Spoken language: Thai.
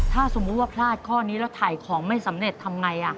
ถ้าสมมุติว่าพลาดข้อนี้แล้วถ่ายของไม่สำเร็จทำไง